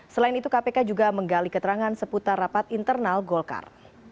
selain itu kpk juga menggali keterangan seputar rapat internal golkar